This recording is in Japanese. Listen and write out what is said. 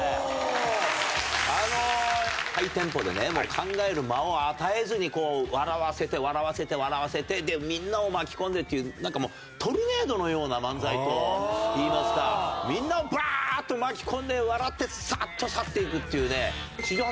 考える間を与えずに笑わせて笑わせて笑わせてでみんなを巻き込んでっていうトルネードのような漫才といいますかみんなをバーッと巻き込んで笑ってサッと去っていくっていうね。